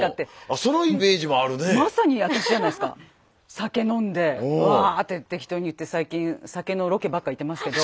酒飲んでわって適当に言って最近酒のロケばっか行ってますけど。